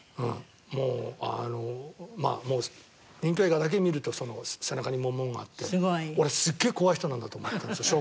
もうあの任侠映画だけ見ると背中に紋々があって俺すっげえ怖い人なんだと思ってたんですよ。